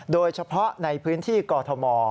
โดยเฉพาะในพื้นที่กอทม